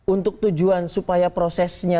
untuk tujuan supaya prosesnya